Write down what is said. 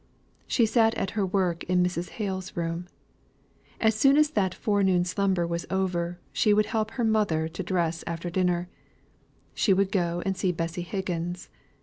She sat at her work in Mrs. Hale's room. As soon as that forenoon slumber was over, she would help her mother to dress; after dinner, she would go and see Bessy Higgins.